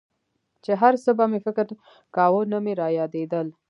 چې هرڅه به مې فکر کاوه نه مې رايادېدل.